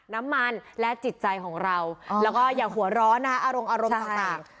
น้ำมันและจิตใจของเราแล้วก็อย่าหัวร้อนนะคะอารมณ์อารมณ์ต่าง